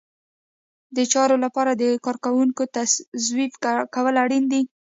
د چارو لپاره د کارکوونکو توظیف کول اړین دي.